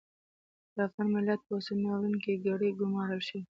پر افغان ملت په اوسني ناورین کې کړۍ ګومارل شوې.